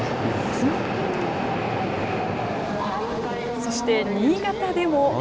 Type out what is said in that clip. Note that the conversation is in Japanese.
そして、新潟でも。